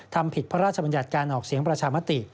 ทำผิดพระราชบัญญัติการออกเสียงประชามติ